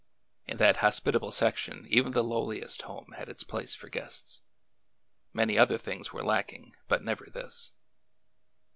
In that hospitable section even the lowliest home had its place for guests. Many other things were lacking, but never this.